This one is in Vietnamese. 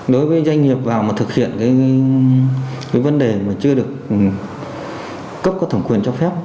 đối với doanh nghiệp vào mà thực hiện cái vấn đề mà chưa được cấp có thẩm quyền cho phép